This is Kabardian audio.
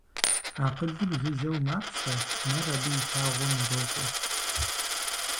Акъылыр жыжьэу маплъэ, нэр абы и лъагъуэм ирокӏуэ.